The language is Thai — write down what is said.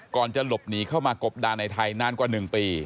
ก่อนจะหลบหนีเข้ามากบดานในไทยนานกว่า๑ปี